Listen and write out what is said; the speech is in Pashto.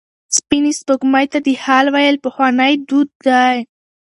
سپینې سپوږمۍ ته د حال ویل پخوانی دود دی.